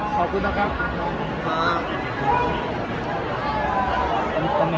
ขอบคุณนะครับขอบคุณครับ